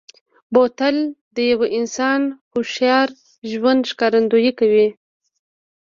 بوتل د یوه انسان هوښیار ژوند ښکارندوي کوي.